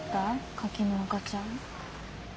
カキの赤ちゃん。